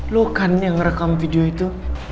lu kan yang rekam video itu